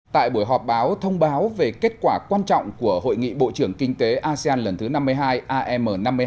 tại buổi họp báo thông báo về kết quả quan trọng của hội nghị bộ trưởng kinh tế asean lần thứ năm mươi hai am năm mươi hai